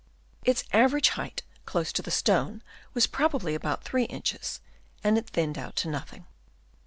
Its average height close to the stone was probably about 3 inches, and it thinned out to nothing.